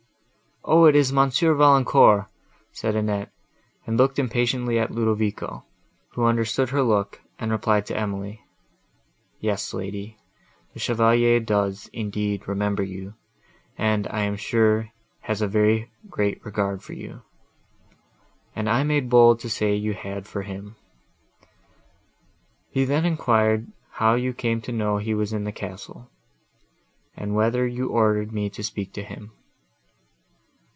"O! it is Mons. Valancourt," said Annette, and looked impatiently at Ludovico, who understood her look, and replied to Emily: "Yes, lady, the Chevalier does, indeed, remember you, and, I am sure, has a very great regard for you, and I made bold to say you had for him. He then enquired how you came to know he was in the castle, and whether you ordered me to speak to him.